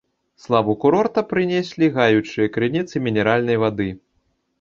Славу курорта прынеслі гаючыя крыніцы мінеральнай вады.